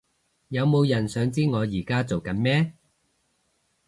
有冇人想知我而家做緊咩？